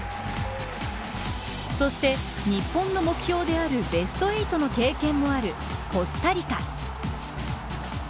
そして日本の目標であるベスト８の経験もあるコスタリカ。